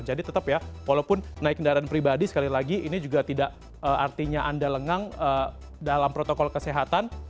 jadi tetap ya walaupun naik kendaraan pribadi sekali lagi ini juga tidak artinya anda lengang dalam protokol kesehatan